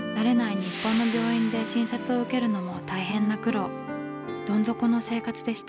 日本の病院で診察を受けるのも大変な苦労。